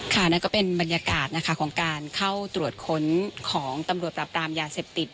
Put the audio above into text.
นั่นก็เป็นบรรยากาศนะคะของการเข้าตรวจค้นของตำรวจปรับปรามยาเสพติด